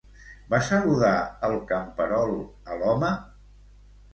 Va saludar el camperol a l'home?